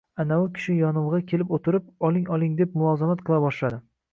Anavi kishi yonimg‘a kelib o‘tirib, oling-oling deb mulozamat qila boshladi